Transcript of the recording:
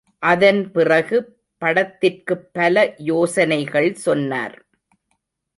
அதன் பிறகு படத்திற்குப் பல யோசனைகள் சொன்னார்.